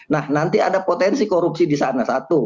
nah nanti ada potensi korupsi disana satu